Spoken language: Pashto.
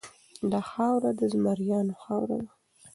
دا خاوره د زمریانو خاوره ده.